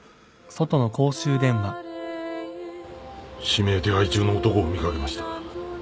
指名手配中の男を見掛けました。